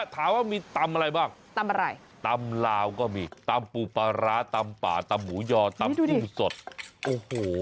ถามว่ามีตำอะไรบ้างตำอะไรตำลาวก็มีตำปูปลาร้าตำป่าตำหมูยอตำกุ้งสดโอ้โห